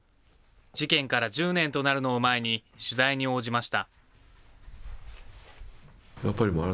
事件から１０年となるのを前に、取材に応じました。